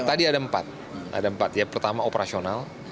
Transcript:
tadi ada empat pertama operasional